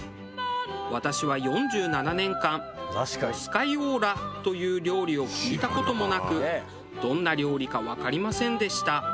私は４７年間ボスカイオーラという料理を聞いた事もなくどんな料理かわかりませんでした。